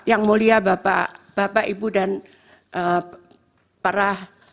yang mulia bapak ibu dan para